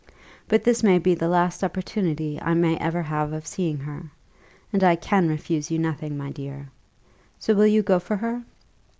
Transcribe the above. But this may be the last opportunity I may ever have of seeing her; and I can refuse you nothing, my dear. So will you go for her?